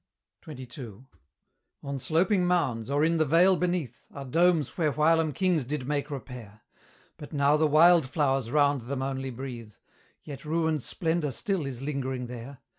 XXII. On sloping mounds, or in the vale beneath, Are domes where whilom kings did make repair; But now the wild flowers round them only breathe: Yet ruined splendour still is lingering there.